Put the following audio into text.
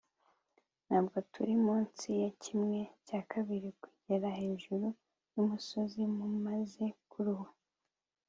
ntabwo turi munsi ya kimwe cya kabiri kugera hejuru yumusozi. mumaze kuruha